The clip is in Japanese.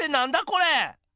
これ！